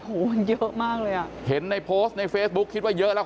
โอ้โหมันเยอะมากเลยอ่ะเห็นในโพสต์ในเฟซบุ๊คคิดว่าเยอะแล้ว